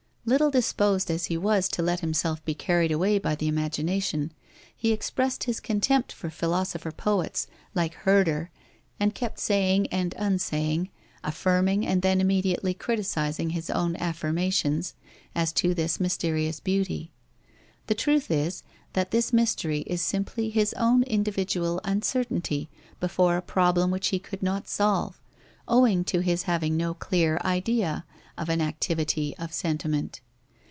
Little disposed as he was to let himself be carried away by the imagination, he expressed his contempt for philosopher poets like Herder, and kept saying and unsaying, affirming and then immediately criticizing his own affirmations as to this mysterious beauty. The truth is that this mystery is simply his own individual uncertainty before a problem which he could not solve, owing to his having no clear idea of an activity of sentiment.